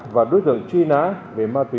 và đối tượng truy nã về ma túy